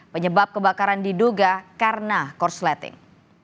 penyebab kebakaran diduga karena korsleting